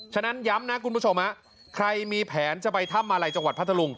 ฉะนั้นย้ำนะคุณผู้ชมใครมีแผนจะไปถ้ำมาลัยจังหวัดพัทธรุง